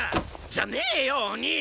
じゃねえよお兄！